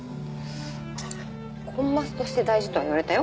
「コンマスとして大事」とは言われたよ。